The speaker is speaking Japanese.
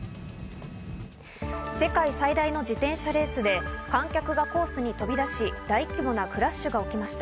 世界最大の自転車レースで、観客がコースに飛び出し、大規模なクラッシュが起きました。